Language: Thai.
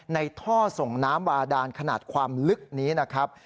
ในท่อส่งน้ำบาดานขนาดความลึกนี้นะครับ